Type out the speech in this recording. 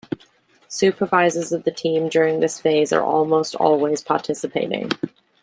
Supervisors of the team during this phase are almost always participating.